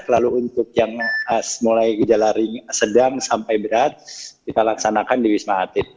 lalu untuk yang mulai gejala sedang sampai berat kita laksanakan di wisma atlet